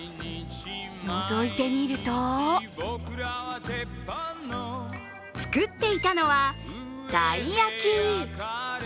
のぞいてみると、作っていたのはたい焼き。